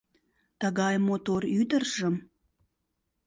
Тыгай мотор ӱдыржым